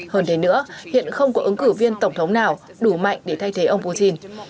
hơn thế nữa hiện không có ứng cử viên tổng thống nào đủ mạnh để thay thế ông putin